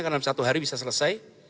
karena dalam satu hari bisa selesai